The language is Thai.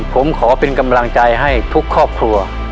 ผมขอเป็นกำลังใจให้ทุกครอบครัว